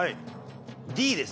Ｄです